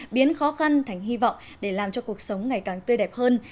biến khó khăn thành hy vọng để làm cho cuộc sống ngày càng tươi đẹp hơn